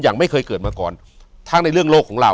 อยู่ที่แม่ศรีวิรัยิลครับ